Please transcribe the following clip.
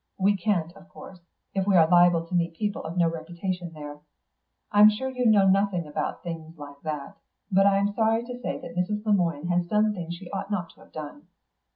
We can't, of course, if we are liable to meet people of no reputation there. I'm sure you know nothing about things like that, but I'm sorry to say that Mrs. Le Moine has done things she ought not to have done.